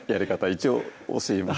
一応教えます